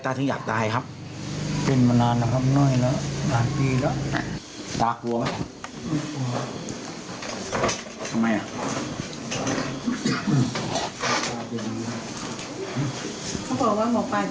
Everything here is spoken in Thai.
เขาบอกว่าหมอปลายใจดีค่ะ